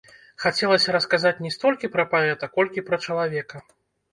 Хацелася расказаць не столькі пра паэта, колькі пра чалавека.